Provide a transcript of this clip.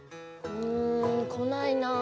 うん来ないなぁ。